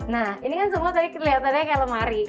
nah ini kan semua tadi kelihatannya kayak lemari